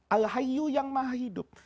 alhayyu yang maha hidup